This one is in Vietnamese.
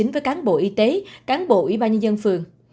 với cán bộ y tế cán bộ y bà nhân dân phường